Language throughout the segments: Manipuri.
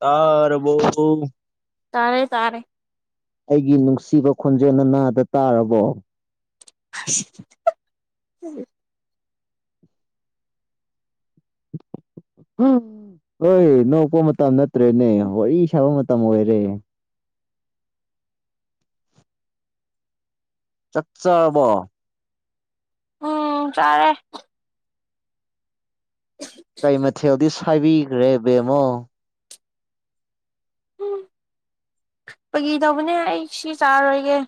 ꯇꯥꯔꯕꯣ ꯇꯥꯔꯦ ꯇꯥꯔꯦ ꯑꯩꯒꯤ ꯅꯨꯡꯁꯤꯕ ꯈꯣꯟꯖꯦꯜꯅ ꯅꯥꯗ ꯇꯥꯔꯕꯣ [unintelligible] ꯎꯝ ꯑꯣꯏ ꯅꯣꯛꯄ ꯃꯇꯝ ꯅꯠꯇ꯭ꯔꯦꯅꯦ ꯋꯥꯔꯤ ꯁꯥꯕ ꯃꯇꯝ ꯑꯣꯏꯔꯦ ꯆꯥꯛ ꯆꯥꯔꯕꯣ ꯎꯝ ꯆꯥꯔꯦ ꯀꯩ ꯃꯊꯦꯜꯗꯤ ꯁꯥꯏꯕꯤꯒ꯭ꯔꯦ ꯕꯦꯝꯃꯧ ꯎꯝ ꯄꯒꯤ ꯇꯧꯕꯅꯦ ꯑꯩ ꯁꯤ ꯆꯥꯔꯣꯏꯒꯦ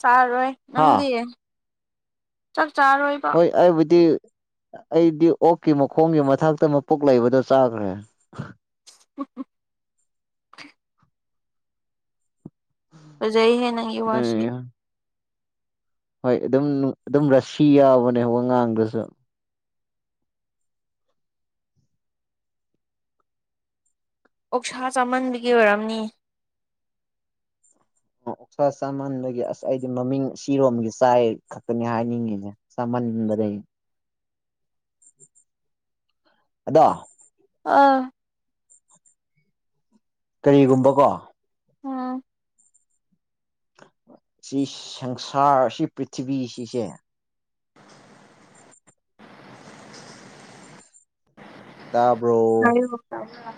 ꯆꯥꯔꯣꯏ ꯅꯪꯗꯤ ꯍꯥ ꯆꯥꯛ ꯆꯥꯔꯣꯏ ꯍꯣꯏ ꯑꯩꯕꯨꯗꯤ ꯑꯩꯗꯤ ꯑꯣꯛꯀꯤ ꯃꯈꯣꯡꯒꯤ ꯃꯊꯛꯇ ꯃꯄꯨꯛ ꯂꯩꯕꯗꯣ ꯆꯥꯒ꯭ꯔꯦ [unintelligible] ꯐꯖꯩꯍꯦ ꯅꯪꯒꯤ ꯋꯥꯁꯤ ꯎꯝ ꯍꯣꯏ ꯑꯗꯨꯝ ꯑꯗꯨꯝ ꯔꯁꯤ ꯌꯥꯎꯕꯅꯦ ꯋꯥꯉꯥꯡꯗꯨꯁꯨ ꯑꯣꯛꯁꯥ ꯆꯥꯃꯟꯕꯒꯤ ꯑꯣꯏꯔꯝꯅꯤ ꯑꯣ ꯑꯣꯛ ꯁꯥ ꯆꯥꯃꯟꯕꯒꯤ ꯑꯁ ꯑꯩꯗꯤ ꯃꯃꯤꯡ ꯁꯤꯔꯣꯝꯒꯤ ꯆꯥꯏꯠ ꯈꯛꯇꯅꯦ ꯍꯥꯏꯅꯤꯡꯉꯤꯖꯦ ꯆꯥꯃꯟꯕꯗꯒꯤ ꯑꯗꯣ ꯑꯥ ꯀꯔꯤꯒꯨꯝꯕ ꯀꯣ ꯎꯝ ꯁꯤ ꯁꯪꯁꯥꯔ ꯁꯤ ꯄ꯭ꯔꯤꯊꯤꯕꯤ ꯁꯤꯁꯦ ꯇꯥꯕ꯭ꯔꯣ ꯇꯝꯅꯥ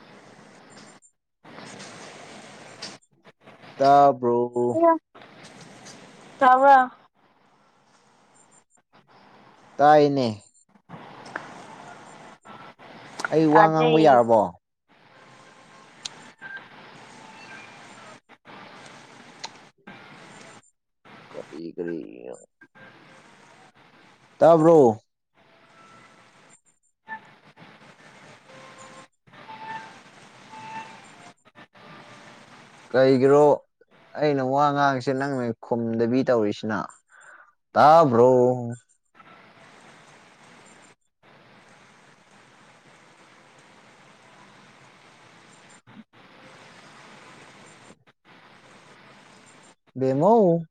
ꯇꯕ꯭ꯔꯣ ꯇꯥꯕ꯭ꯔꯥ ꯇꯥꯏꯅꯦ ꯑꯩ ꯋꯥ ꯇꯥꯗ꯭ꯔꯦ ꯉꯥꯡꯕ ꯌꯥꯔꯕꯣ ꯀꯔꯤ ꯀꯔꯤꯌ ꯇꯥꯕ꯭ꯔꯣ ꯀꯩꯒꯤꯔꯣ ꯑꯩꯅ ꯋꯥ ꯉꯥꯡꯉꯤꯁꯦ ꯅꯪ ꯅ ꯈꯨꯝꯗꯕꯤ ꯇꯧꯔꯤꯁꯤꯅ ꯇꯥꯕ꯭ꯔꯣ ꯕꯦꯝꯃꯧ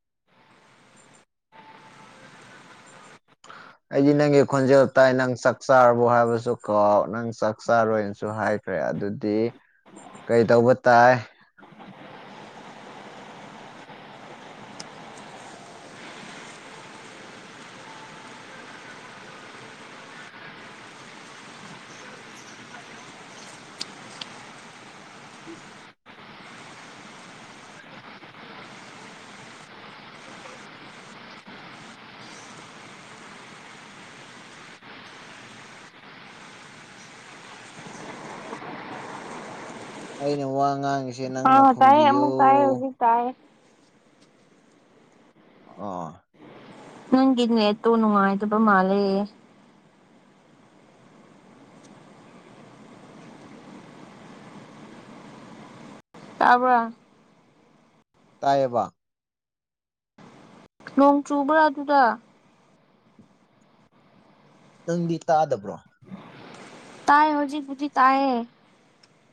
ꯑꯩꯗꯤ ꯅꯪꯒꯤ ꯈꯣꯟꯖꯦꯜ ꯇꯥꯏ ꯅꯪ ꯆꯥꯛ ꯆꯥꯔꯕꯣ ꯍꯥꯏꯕꯁꯨ ꯀꯥꯎ ꯅꯪ ꯆꯥꯛ ꯆꯥꯔꯣꯏꯅꯁꯨ ꯍꯥꯏ ꯈ꯭ꯔꯦ ꯑꯗꯨꯗꯤ ꯀꯩ ꯊꯧꯕ ꯇꯥꯏ [unintelligible] ꯑꯩꯅ ꯋꯥ ꯉꯥꯡꯉꯤꯁꯦ ꯅꯪꯅ ꯑꯥ ꯇꯥꯏꯌꯦ ꯈꯨꯝꯕꯤꯌꯨ ꯑꯃꯨꯛ ꯇꯥꯏꯌꯦ ꯍꯧꯖꯤꯛ ꯇꯥꯏꯌꯦ ꯑꯣ ꯅꯪꯒꯤ ꯅꯦꯠꯇꯣ ꯅꯨꯡꯉꯥꯏꯇꯕ ꯃꯥꯜꯂꯦ ꯇꯥꯕ꯭ꯔꯥ ꯇꯥꯏꯌꯦꯕ ꯅꯣꯡ ꯆꯨꯕ꯭ꯔꯥ ꯑꯗꯨꯗ ꯅꯪꯗꯤ ꯇꯥꯗꯕ꯭ꯔꯣ ꯇꯥꯏꯌꯦ ꯍꯧꯖꯤꯛꯄꯨꯗꯤ ꯇꯥꯢꯌꯦ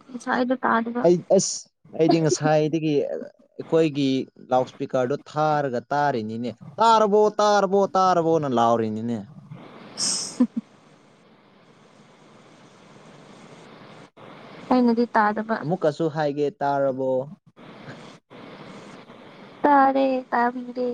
ꯉꯁꯥꯢꯒꯤ ꯇꯥꯗꯕ ꯑꯩ ꯑꯁ ꯑꯩꯗꯤ ꯉꯁꯥꯏꯗꯒꯤ ꯑꯩꯈꯣꯏꯒꯤ ꯂꯥꯎꯠ ꯏꯁꯄꯤꯀꯔꯗꯨ ꯊꯥꯔꯒ ꯇꯥꯔꯤꯅꯤꯅꯦ ꯇꯥꯔꯕꯣ ꯇꯥꯔꯕꯣ ꯇꯥꯔꯕꯣꯅ ꯂꯥꯎꯔꯤꯅꯤꯅꯦ ꯑꯩꯅꯗꯤ ꯇꯥꯗꯕ ꯑꯃꯨꯛꯀꯁꯨ ꯍꯥꯏꯒꯦ ꯇꯥꯔꯕꯣ ꯇꯥꯔꯦ ꯇꯥꯕꯤꯔꯦ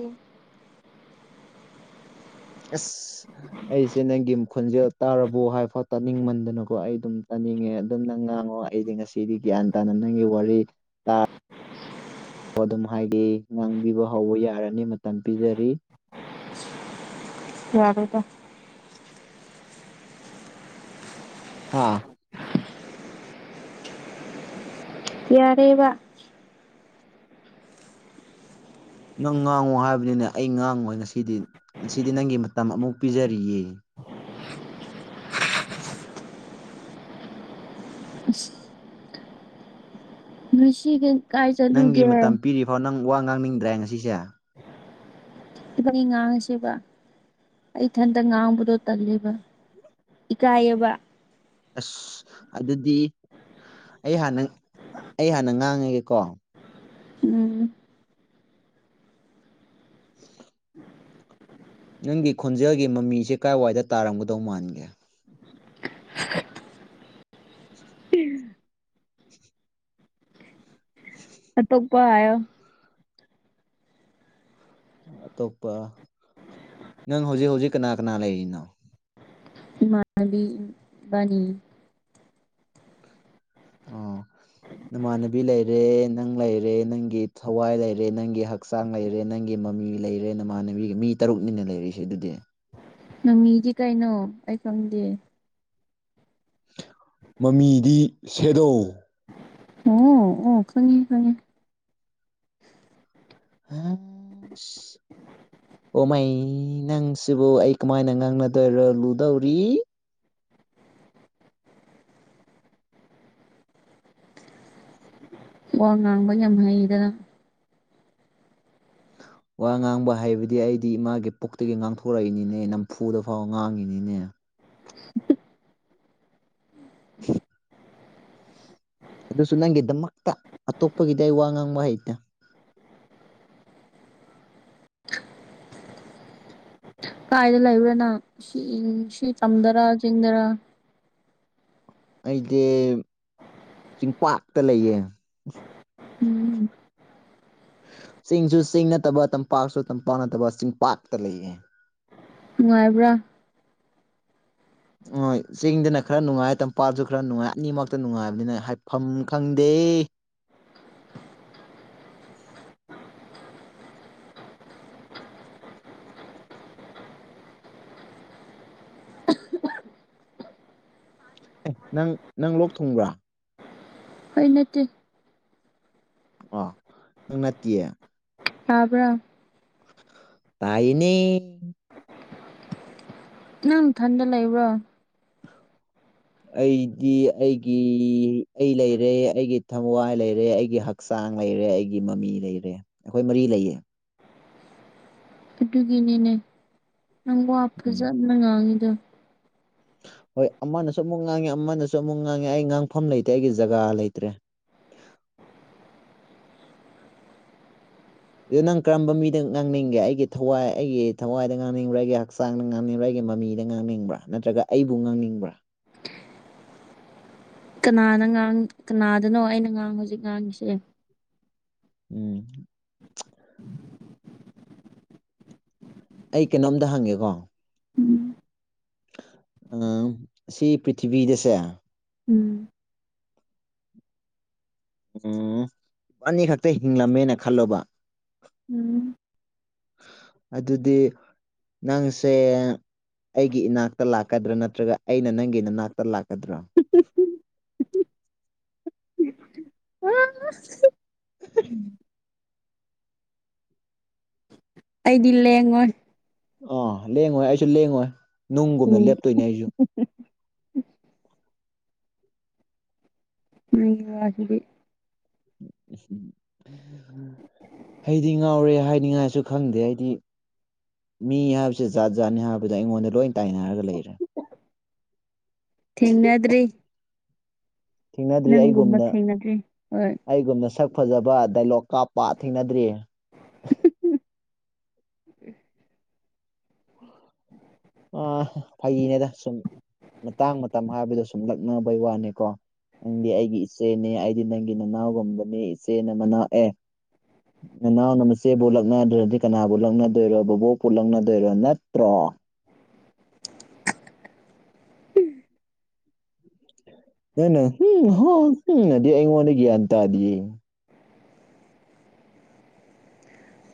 ꯑꯁ ꯑꯩꯁꯦ ꯅꯪꯒꯤ ꯈꯨꯣꯟꯖꯦꯜ ꯇꯥꯔꯕꯣ ꯍꯥꯏꯐꯥꯎ ꯇꯥꯅꯤꯡꯃꯟꯗꯅꯀꯣ ꯑꯩ ꯑꯗꯨꯝ ꯇꯥꯅꯤꯡꯉꯦ ꯑꯗꯨꯝ ꯅꯪ ꯉꯥꯡꯉꯣ ꯑꯩꯗꯤ ꯉꯁꯤꯗꯤ ꯒ꯭ꯌꯥꯟ ꯇꯥꯅ ꯅꯪꯒꯤ ꯋꯥꯔꯤ ꯇꯥ ꯑꯣ ꯑꯗꯨꯝ ꯍꯥꯏꯗꯤ ꯉꯥꯡꯕꯤꯕ ꯍꯧꯕ ꯌꯥꯔꯅꯤ ꯃꯇꯝ ꯄꯤꯖꯔꯤ ꯌꯥꯔꯦꯗ ꯍꯥꯥ ꯌꯥꯔꯦꯕ ꯅꯪ ꯉꯥꯡꯉꯣ ꯍꯥꯏꯕꯅꯤꯅꯦ ꯑꯩ ꯉꯥꯡꯉꯣꯏ ꯉꯁꯤꯗꯤ ꯉꯁꯤꯗꯤ ꯅꯪꯒꯤ ꯃꯇꯝ ꯑꯃꯨꯛ ꯄꯤꯖꯔꯤꯌꯦ [unintelligible] ꯀꯥꯏ ꯅꯪꯒꯤ ꯆꯠꯂꯨꯒꯦ ꯃꯇꯝ ꯄꯤꯔꯤꯐꯥꯎ ꯅꯪ ꯋꯥ ꯉꯥꯡꯅꯤꯡꯗ꯭ꯔꯦ ꯉꯁꯤꯁꯦ ꯏꯕꯥꯅꯤ ꯉꯥꯡꯁꯤꯕ ꯑꯩ ꯊꯟꯇ ꯉꯥꯡꯕꯗꯣ ꯇꯜꯂꯦꯕ ꯏꯀꯥꯏꯑꯦꯕ ꯑꯁ ꯑꯗꯨꯗꯤ ꯑꯩ ꯍꯥꯟꯅ ꯑꯩ ꯍꯥꯟꯅ ꯉꯥꯡꯉꯥꯒꯦꯀꯣ ꯎꯝ [inaudible] ꯅꯪꯒꯤ ꯈꯣꯟꯖꯦꯜꯒꯤ ꯃꯃꯤꯁꯦ ꯀꯥꯏꯋꯥꯏꯗ ꯇꯥꯔꯝꯒꯗꯧ ꯃꯥꯟꯒꯦ ꯑꯇꯣꯞꯄ ꯍꯥꯢꯌꯣ ꯑꯇꯣꯞꯄ ꯅꯪ ꯍꯧꯖꯤꯛ ꯍꯧꯖꯤꯛ ꯀꯅꯥ ꯀꯅꯥ ꯂꯩꯔꯤꯅꯣ ꯏꯃꯥꯟꯅꯕꯤ ꯏꯕꯥꯅꯤ ꯑꯣ ꯅꯃꯥꯟꯅꯕꯤ ꯂꯩꯔꯦ ꯅꯪ ꯂꯩꯔꯦ ꯅꯪꯒꯤ ꯊꯋꯥꯏ ꯂꯩꯔꯦ ꯅꯪꯒꯤ ꯍꯛ ꯍꯛꯆꯥꯡ ꯂꯩꯔꯦ ꯅꯪꯒꯤ ꯃꯃꯤ ꯂꯩꯔꯦ ꯅꯃꯥꯟꯅꯕꯤꯒ ꯃꯤ ꯇꯔꯨꯛꯅꯤꯅ ꯂꯩꯔꯤꯁꯦ ꯑꯗꯨꯗꯤ ꯃꯥꯃꯤꯗꯤ ꯀꯩꯅꯣ ꯑꯩ ꯈꯪꯗꯦ ꯃꯃꯤꯗꯤ ꯁꯦꯗꯣ ꯑꯣ ꯑꯣ ꯈꯪꯉꯦ ꯈꯪꯉꯦ [unintelligible] ꯑꯣ ꯃꯩ ꯅꯪꯁꯤꯕꯨ ꯑꯩ ꯀꯃꯥꯏꯅ ꯉꯥꯡꯅꯗꯣꯏꯔꯣ ꯂꯨꯗꯧꯔꯤ ꯋꯥ ꯉꯥꯡꯕ ꯌꯥꯝ ꯍꯩꯗꯅ ꯋꯥ ꯉꯥꯡꯕ ꯍꯥꯏꯕꯗꯤ ꯑꯩꯗꯤ ꯏꯃꯥꯒꯤ ꯄꯨꯛꯇꯒꯤ ꯉꯥꯡꯊꯣꯔꯛꯏꯅꯤꯅꯦ ꯅꯝꯐꯨꯗ ꯐꯥꯎ ꯉꯥꯡꯉꯤꯅꯤꯅꯦ [inaudible] ꯑꯗꯨꯁꯨ ꯅꯪꯒꯤꯗꯃꯛꯇ ꯑꯇꯣꯞꯄꯒꯤꯗꯤ ꯑꯩ ꯋꯥ ꯉꯥꯡꯕ ꯍꯩꯇꯦ ꯀꯥꯏꯗ ꯂꯩꯕ꯭ꯔꯥ ꯅꯪ ꯁꯤ ꯁꯤ ꯇꯝꯗꯥꯔ ꯆꯤꯡꯗꯥꯔ ꯑꯩꯗꯤ ꯆꯤꯡꯄꯥꯛꯇ ꯂꯩꯌꯦ ꯎꯝ ꯆꯤꯡꯁꯨ ꯆꯤꯡ ꯅꯠꯇꯕ ꯇꯝꯄꯥꯛꯁꯨ ꯇꯝꯄꯥꯛ ꯅꯠꯇꯕ ꯆꯤꯡꯄꯥꯛꯇ ꯂꯩꯌꯦ ꯅꯨꯡꯉꯥꯏꯕ꯭ꯔꯥ ꯍꯣꯢ ꯆꯤꯡꯗꯅ ꯈꯔ ꯅꯨꯡꯉꯥꯏ ꯇꯝꯄꯥꯛꯜꯁꯨ ꯈꯔ ꯅꯨꯡꯉꯥꯏ ꯑꯅꯤꯃꯛꯇ ꯅꯨꯡꯉꯥꯏꯕꯅꯤꯅ ꯍꯥꯏꯐꯝ ꯈꯪꯗꯦ ꯑꯦ ꯅꯪ ꯅꯪ ꯂꯣꯛ ꯊꯨꯡꯕ꯭ꯔꯥ ꯑꯩ ꯅꯠꯇꯦ ꯑꯣ ꯅꯪ ꯅꯠꯇꯤꯌꯦ ꯇꯥꯕ꯭ꯔꯥ ꯇꯥꯏꯌꯦꯅꯦ ꯅꯪ ꯊꯟꯗ ꯂꯩꯕ꯭ꯔꯣ ꯑꯩꯗꯤ ꯑꯩꯒꯤ ꯑꯩ ꯂꯩꯔꯦ ꯑꯩꯒꯤ ꯊꯋꯥꯏ ꯂꯩꯔꯦ ꯑꯩꯒꯤ ꯍꯛ ꯍꯛꯆꯥꯡ ꯂꯩꯔꯦ ꯑꯩꯒꯤ ꯃꯃꯤ ꯂꯩꯔꯦ ꯑꯩꯈꯣꯏ ꯃꯔꯤ ꯂꯩꯌꯦ ꯑꯗꯨꯒꯤꯅꯤꯅꯦ ꯅꯪꯪ ꯋꯥ ꯎꯝ ꯐꯥꯖꯅ ꯉꯥꯡꯉꯤꯗꯣ ꯍꯣꯏ ꯑꯃꯅꯁꯨ ꯑꯃꯨꯛ ꯉꯥꯡꯏ ꯑꯃꯅꯁꯨ ꯑꯃꯨꯛ ꯉꯥꯡꯏ ꯑꯩ ꯉꯥꯡꯐꯝ ꯂꯩꯇꯦ ꯑꯩꯒꯤ ꯖꯒꯥ ꯂꯩꯇ꯭ꯔꯦ ꯑꯗꯨ ꯅꯪ ꯀꯔꯝꯕ ꯃꯤꯗ ꯉꯥꯡꯅꯤꯡꯒꯦ ꯑꯩꯒꯤ ꯊꯋꯥꯏ ꯑꯩꯒꯤ ꯊꯋꯥꯏꯗ ꯉꯥꯡꯅꯤꯡꯕ꯭ꯔꯥ ꯑꯩꯒꯤ ꯍꯛꯆꯥꯡꯗ ꯉꯥꯡꯅꯤꯡꯕ꯭꯭ꯔꯥ ꯑꯩꯒꯤ ꯃꯃꯤ ꯗꯥ ꯉꯥꯡꯅꯤꯡꯕ꯭ꯔꯥ ꯅꯠꯇ꯭ꯔꯒ ꯑꯩꯕꯨ ꯉꯥꯡꯅꯤꯡꯕ꯭ꯔꯥ ꯀꯅꯥꯅ ꯉꯥꯡ ꯀꯅꯥꯗꯅꯣ ꯑꯩꯅ ꯉꯥꯡ ꯍꯧꯖꯤꯛ ꯉꯥꯡꯏꯁꯦ ꯎꯝ ꯑꯩ ꯀꯩꯅꯣꯝꯇ ꯍꯪꯒꯦꯀꯣ ꯎꯝ ꯑꯥ ꯁꯤ ꯄ꯭ꯔꯤꯊꯤꯕꯤꯗꯁꯦ ꯎꯝ ꯎꯝ ꯑꯅꯤ ꯈꯛꯇ ꯍꯤꯡꯂꯝꯃꯦꯅ ꯈꯜꯂꯣꯕ ꯎꯝ ꯑꯗꯨꯗꯤ ꯅꯪꯁꯦ ꯑꯩꯒꯤ ꯏꯅꯥꯛꯇ ꯂꯥꯛꯀꯗ꯭ꯔꯥ ꯅꯠꯇ꯭ꯔꯒ ꯑꯩꯅ ꯅꯪꯒꯤ ꯅꯅꯥꯛꯇ ꯂꯥꯛꯀꯗ꯭ꯔꯣ [unintelligible] [inaudible] ꯑꯩꯗꯤ ꯂꯦꯡꯉꯣꯏ ꯑꯥ ꯂꯦꯡꯉꯣꯏ ꯑꯩꯁꯨ ꯂꯦꯡꯉꯣꯏ ꯅꯨꯡꯒꯨꯝꯅ ꯎꯝ ꯂꯦꯞꯇꯣꯏꯅꯦ ꯑꯩꯖꯨ ꯅꯪꯒꯤ ꯋꯥꯁꯤꯗꯤ ꯑꯩꯗꯤ ꯉꯥꯎꯔꯦ ꯍꯥꯏꯅꯤꯡꯉꯥꯏꯁꯨ ꯈꯪꯗꯦ ꯑꯩꯗꯤ ꯃꯤ ꯍꯥꯏꯕꯁꯦ ꯖꯥꯠ ꯖꯥꯠꯅꯤ ꯍꯥꯏꯕꯗ ꯑꯩꯉꯣꯟꯗ ꯂꯣꯏ ꯇꯥꯏꯅꯔꯒ ꯂꯩꯔꯦ ꯊꯦꯡꯅꯗ꯭ꯔꯤ ꯊꯦꯡꯅꯗ꯭ꯔꯤ ꯅꯪꯒꯨꯝꯕ ꯑꯩꯒꯨꯝꯅ ꯊꯦꯡꯅꯗ꯭ꯔꯤ ꯍꯣꯏ ꯑꯩꯒꯨꯝꯅ ꯁꯛ ꯐꯥꯖꯕ ꯗꯥꯏꯂꯣꯛ ꯀꯥꯞꯄ ꯊꯦꯡꯅꯗ꯭ꯔꯤ [inaudible] ꯑꯥ ꯐꯥꯒꯤꯅꯤꯗ ꯁꯨꯝ ꯃꯇꯥꯡ ꯃꯇꯝ ꯍꯥꯏꯕꯗꯣ ꯁꯨꯝ ꯂꯛꯅꯕꯩ ꯋꯥꯅꯤꯀꯣ ꯅꯪꯗꯤ ꯑꯩꯒꯤ ꯏꯆꯦꯅꯦ ꯑꯩꯗꯤ ꯅꯪꯒꯤ ꯅꯅꯥꯎꯒꯨꯝꯕꯅꯦ ꯏꯆꯦꯅ ꯃꯅꯥꯎ ꯑꯦ ꯅꯅꯥꯎꯅ ꯃꯆꯦꯕꯨ ꯂꯛꯅꯗ꯭ꯔꯥꯗꯤ ꯀꯅꯥꯕꯨ ꯂꯛꯅꯗꯣꯏꯔꯣ ꯕꯣꯕꯣꯛꯄꯨ ꯂꯛꯅꯗꯣꯏꯔꯣ ꯅꯠꯇ꯭ꯔꯣ ꯅꯪꯅ ꯍꯨꯝ ꯍꯥ ꯍꯝꯅꯗꯤ ꯑꯩꯉꯣꯟꯗ ꯒ꯭ꯌꯥꯟ ꯇꯥꯗꯤꯌꯦ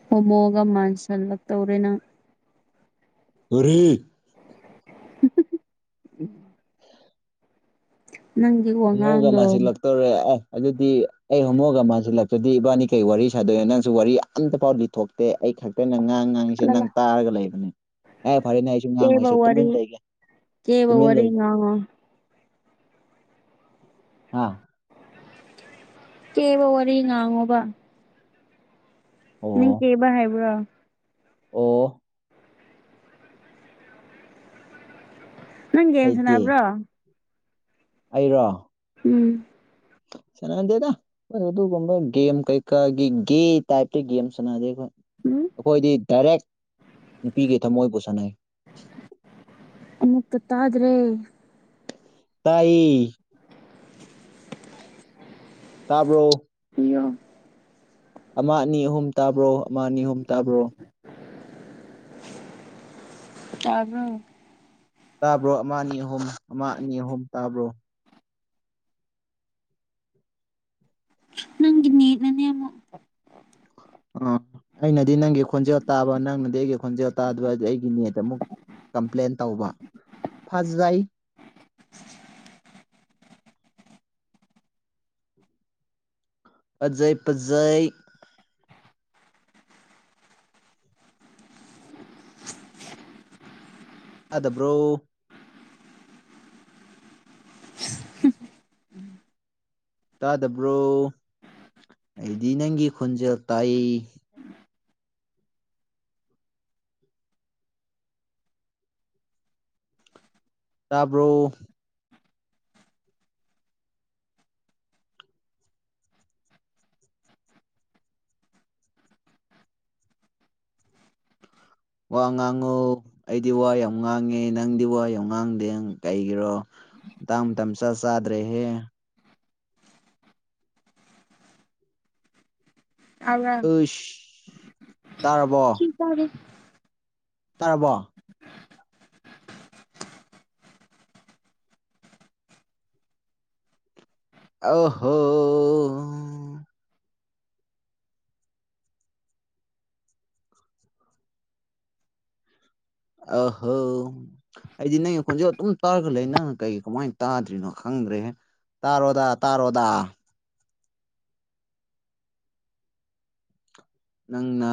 ꯍꯣꯃꯣꯒ ꯃꯥꯟꯁꯟꯂꯛꯇꯧꯔꯦ ꯅꯪ ꯑꯔꯦ [unintelligible] ꯅꯪꯗꯤ ꯍꯣꯃꯣꯒ ꯃꯥꯟꯁꯤꯜꯂꯛ ꯇꯧꯔꯦ ꯑꯥ ꯑꯗꯨꯗꯤ ꯑꯩ ꯍꯣꯃꯣꯒ ꯃꯥꯥꯟꯁꯜꯂꯛꯇꯗꯤ ꯏꯕꯥꯅꯤ ꯀꯩ ꯋꯥꯔꯤ ꯁꯥꯗꯣꯏꯅꯣ ꯅꯪꯁꯨ ꯋꯥꯔꯤ ꯑꯝꯇ ꯐꯥꯎ ꯂꯤꯊꯣꯛ ꯇꯦ ꯑꯩ ꯈꯛꯇꯅ ꯉꯥꯡ ꯉꯥꯡ ꯅꯪꯁꯨ ꯑꯂꯥꯂꯥ ꯅꯪ ꯇꯥꯔꯒ ꯂꯩꯕꯅꯦ ꯑꯦ ꯐꯔꯦꯅꯦ ꯑꯩꯁꯨ ꯉꯥꯡꯉꯣꯏ ꯀꯦꯕ ꯑꯩꯁꯨ ꯋꯥꯔꯤ ꯇꯨꯃꯤꯟꯅ ꯂꯩꯒꯦ ꯀꯦꯕ ꯇꯨꯃꯤꯟ ꯋꯥꯔꯤ ꯂꯩꯒꯦ ꯉꯥꯡꯉꯣ ꯍꯥ ꯀꯦꯕ ꯋꯥꯔꯤ ꯉꯥꯡꯉꯣꯕ ꯅꯪ ꯑꯣ ꯀꯩꯕ ꯍꯩꯕ꯭ꯔꯣ ꯑꯣ ꯅꯪ ꯒꯦꯝ ꯍꯩꯇꯦ ꯁꯥꯟꯅꯕ꯭ꯔꯣ ꯑꯩꯔꯣ ꯎꯝ ꯁꯥꯟꯅꯗꯦꯗ ꯅꫭꯏ ꯑꯗꯨꯒꯨꯝꯕ ꯒꯦꯝ ꯀꯩꯀꯥꯒꯤ ꯒꯦ ꯇꯥꯏꯞꯇ ꯒꯦꯝ ꯁꯥꯟꯅꯗꯦꯕ ꯎꯝ ꯑꯈꯣꯏꯗꯤ ꯗꯥꯏꯔꯦꯛ ꯅꯨꯄꯤꯒꯤ ꯊꯝꯃꯣꯏꯕꯨ ꯁꯥꯟꯅꯩ ꯑꯃꯠꯇ ꯇꯥꯗ꯭ꯔꯦ ꯇꯥꯏꯌꯦ ꯇꯥꯕ꯭ꯔꯣ [unintelligible] ꯑꯃ ꯑꯅꯤ ꯑꯍꯨꯝ ꯇꯥꯕ꯭ꯔꯣ ꯑꯃ ꯑꯅꯤ ꯑꯍꯨꯝ ꯇꯥꯕ꯭ꯔꯣ ꯇꯥꯕ꯭ꯔꯣ ꯇꯥꯕ꯭ꯔꯣ ꯑꯃ ꯑꯅꯤ ꯑꯍꯨꯝ ꯑꯃ ꯑꯅꯤ ꯑꯍꯨꯝ ꯇꯥꯕ꯭ꯔꯣ ꯅꯪꯒꯤ ꯅꯦꯠꯅꯅꯦ ꯑꯃꯨꯛ ꯑ ꯑꯩꯅꯗꯤ ꯅꯪꯒꯤ ꯈꯣꯟꯖꯦꯜ ꯇꯥꯕ ꯅꯪꯅꯗꯤ ꯑꯩꯒꯤ ꯈꯣꯟꯖꯦꯜ ꯇꯥꯗꯕ‌ [unintelligible] ꯑꯩꯒꯤ ꯅꯦꯠ ꯑꯃꯨꯛ ꯀꯝꯄ꯭ꯂꯦꯟ ꯇꯧꯕ ꯐꯖꯩ ꯐꯖꯩ ꯐꯖꯩ ꯇꯥꯗꯕ꯭ꯔꯣ ꯇꯥꯗꯕ꯭ꯔꯣ ꯑꯩꯗꯤ ꯅꯪꯒꯤ ꯈꯣꯟꯖꯦꯜ ꯇꯥꯏꯌꯦ ꯇꯥꯕ꯭ꯔꯣ ꯋꯥ ꯉꯥꯡꯉꯣ ꯑꯩꯗꯤ ꯋꯥ ꯌꯥꯝ ꯉꯥꯡꯉꯦ ꯅꯪꯗꯤ ꯋꯥ ꯌꯥꯝ ꯉꯥꯡꯗꯦ ꯀꯩꯒꯤꯔꯣ ꯃꯇꯥꯡ ꯃꯇꯝ ꯏꯆꯥ ꯆꯥꯗ꯭ꯔꯦꯍꯦ ꯇꯥꯕ꯭ꯔꯥ ꯎꯏꯁ ꯇꯥꯔꯕꯣ ꯁꯤ ꯇꯥꯔꯦ ꯇꯥꯔꯕꯣ ꯑꯧ ꯍꯣ ꯑꫭ ꯍꯣ ꯑꯩꯗꯤ ꯅꯪꯒꯤ ꯈꯣꯟꯖꯦꯜ ꯑꯗꯨꯝ ꯇꯥꯔꯒ ꯂꯩ ꯅꯪꯅ ꯀꯩ ꯀꯝꯃꯥꯏꯅ ꯇꯥꯗ꯭ꯔꯤꯅꯣ ꯈꯪꯗ꯭ꯔꯦꯍꯦ ꯇꯥꯔꯣꯗ ꯇꯥꯔꯣꯗ ꯅꯪꯅ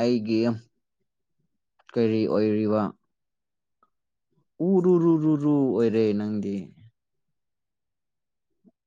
ꯑꯩꯒꯤ ꯀꯔꯤ ꯑꯣꯏꯔꯤꯕ ꯎꯔꯨꯨꯔꯨꯨꯔꯨꯨꯔꯨ ꯑꯣꯏꯔꯦ ꯅꯪꯗꯤ